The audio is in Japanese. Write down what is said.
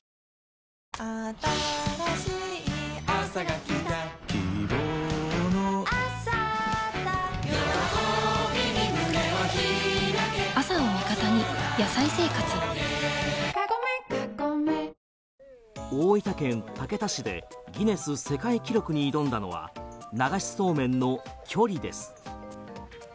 大空あおげ大分県竹田市でギネス世界記録に挑んだのは流しそうめんの距離です。